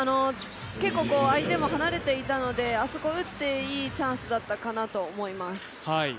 相手も離れていたのであそこ打っていいチャンスだったかなと思います。